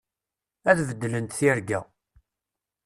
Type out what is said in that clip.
Ad beddlent tirga.